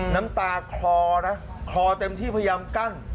น้ำตาคลอนะคลอเต็มที่พยายามกั้น